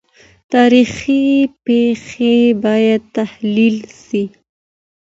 تاريخي پېښې بايد تحليل سي.